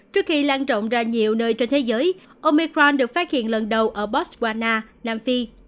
trước khi lan rộng ra nhiều nơi trên thế giới omicron được phát hiện lần đầu ở botswana nam phi